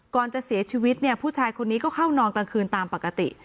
ก่อนจะเสียชีวิตเนี่ยผู้ชายคนนี้ก็เข้านอนกลางคืนตามปกติ